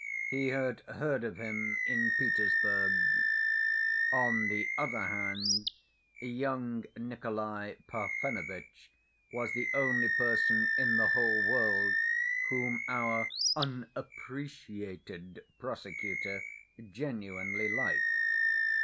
He had heard of him in Petersburg. On the other hand, young Nikolay Parfenovitch was the only person in the whole world whom our "unappreciated" prosecutor genuinely liked.